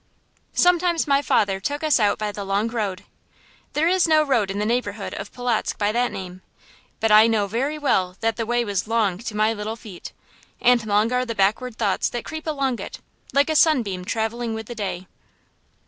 Sometimes my father took us out by the Long Road. There is no road in the neighborhood of Polotzk by that name, but I know very well that the way was long to my little feet; and long are the backward thoughts that creep along it, like a sunbeam travelling with the day.